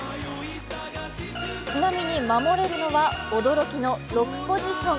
ちなみに守れるのは驚きの６ポジション。